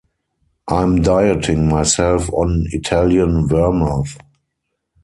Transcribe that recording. I'm dieting myself on Italian vermouth.